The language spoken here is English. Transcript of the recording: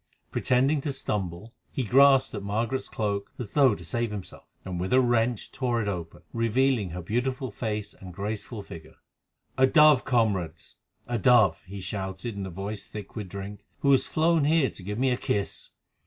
Pretending to stumble, he grasped at Margaret's cloak as though to save himself, and with a wrench tore it open, revealing her beautiful face and graceful figure. "A dove, comrades!—a dove!" he shouted in a voice thick with drink, "who has flown here to give me a kiss."